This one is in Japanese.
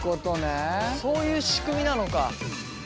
そういう仕組みなのか。